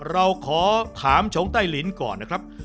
เราขอถามชงใต้ลิ้นก่อนนะครับ